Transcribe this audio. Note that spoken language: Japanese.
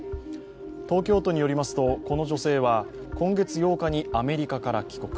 東京都によりますと、この女性は今月８日にアメリカから帰国。